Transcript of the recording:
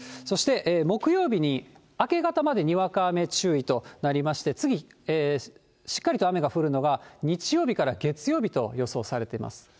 そして木曜日に明け方までにわか雨注意となりまして、次、しっかりと雨が降るのが日曜日から月曜日と予想されています。